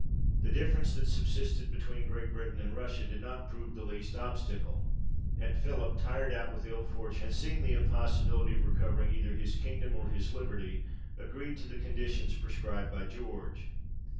The difference that subsisted between Great Britain and Russia did not prove the least obstacle, and Philip, tired out with ill fortune, and seeing the impossibility of recovering either his kingdom or his liberty, agreed to the conditions prescribed by George.